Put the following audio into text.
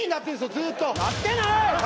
ずっとなってない！